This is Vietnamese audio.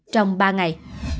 trong ba ngày